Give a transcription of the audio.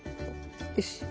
よし。